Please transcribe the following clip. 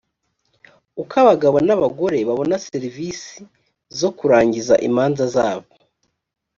uko abagabo n’abagore babona serivisi zo kurangiza imanza zabo